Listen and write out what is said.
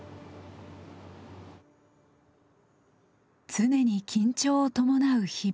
常に緊張を伴う日々。